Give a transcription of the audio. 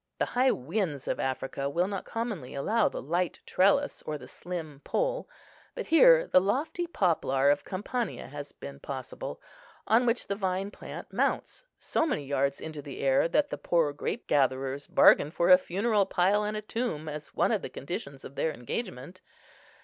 The high winds of Africa will not commonly allow the light trellis or the slim pole; but here the lofty poplar of Campania has been possible, on which the vine plant mounts so many yards into the air, that the poor grape gatherers bargain for a funeral pile and a tomb as one of the conditions of their engagement.